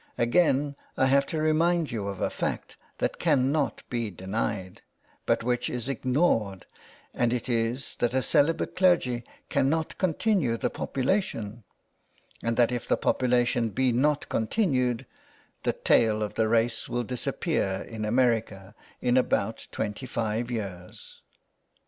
Again I have to remind you of a fact that cannot be denied, but which is ignored, and it is that a celibate clergy cannot continue the population, and that if the popu lation be not continued the tail of the race will dis appear in America in about twenty five years.